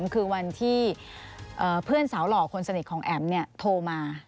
คือวันที่เพื่อนสาวหล่อคนสนิทของแอ๋มโทรมา